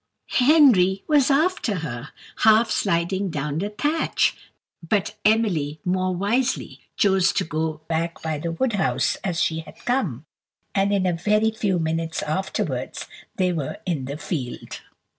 Henry was after her, half sliding down the thatch, but Emily more wisely chose to go back by the wood house as she had come, and in a very few minutes afterwards they were in the field.